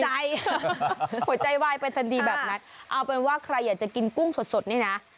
หัวใจวายไปทันทีแบบนั้นเอาเป็นว่าใครอยากจะกินกุ้งสดนี่นะ